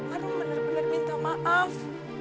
orang benar benar minta maaf